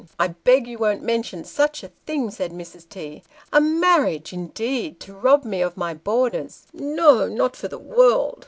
" I beg you won't mention such a thing," said Mrs. T. " A mar riage, indeed ! to rob me of my boarders no, not for the world."